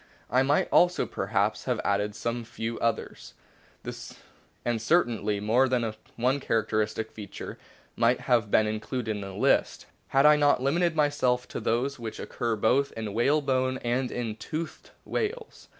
I might also perhaps have added some few others, and cer tainly more than one characteristic feature might have been included in the list, had I not limited myself to those which occur both in whalebone and in toothed whales.